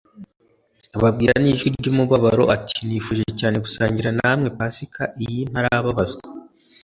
ababwira n'ijwi ry'umubabaro ati: "Nifuje cyane gusangira namwe Pasika iyi ntarababazwa.